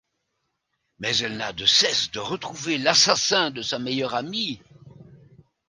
Mais elle n’a de cesse de retrouver l’assassin de sa meilleure amie.